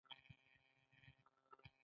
دوی ټول د کارونو د ښه والي لپاره دي.